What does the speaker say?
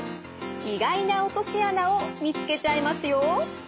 意外な落とし穴を見つけちゃいますよ！